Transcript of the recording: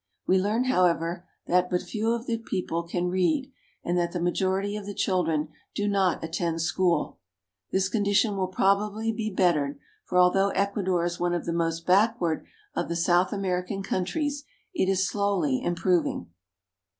We learn, however, that but few of the people can read, and that the majority of the chil dren do not attend school. This condition will probably be bettered, for although Ecuador is one of the most backward of the South American countries, it is slowly improving.